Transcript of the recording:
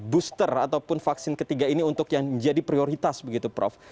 booster ataupun vaksin ketiga ini untuk yang jadi prioritas begitu prof